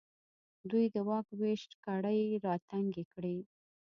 دوی د واک د وېش کړۍ راتنګې کړې.